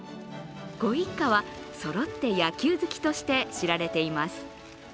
ご一家はそろって野球好きとして知られています。